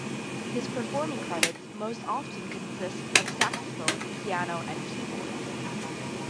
His performing credits most often consist of saxophone, piano, and keyboards.